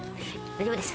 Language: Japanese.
大丈夫です。